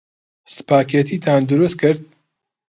سپاگێتییان دروست کرد.